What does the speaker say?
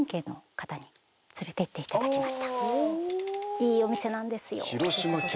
いいお店なんですよっていうことで。